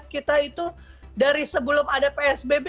kita itu dari sebelum ada psbb